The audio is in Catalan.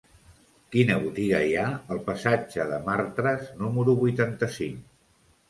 Quina botiga hi ha al passatge de Martras número vuitanta-cinc?